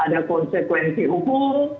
ada konsekuensi hukum